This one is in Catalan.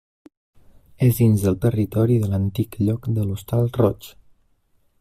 És dins del territori de l'antic lloc de l'Hostal Roig.